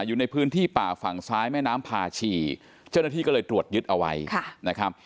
อยู่ในพื้นที่ป่าฝั่งซ้ายแม่น้ำพาชีเจ้าหน้าที่ก็เลยตรวจยึดเอาไว้นะครับ